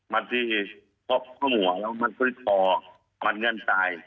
มัดที่เพราะหัวแล้วมัดข้อยคอมัดเงินตาย